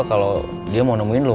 kalo dia mau nemuin lu